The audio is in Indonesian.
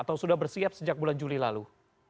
atau sudah bersiap sejak bulan juli lalu